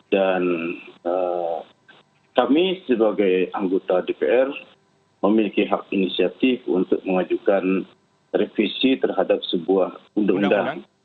dan kami sebagai anggota dpr memiliki hak inisiatif untuk mengajukan revisi terhadap sebuah undang undang